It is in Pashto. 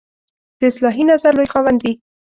د اصلاحي نظر لوی خاوند وي.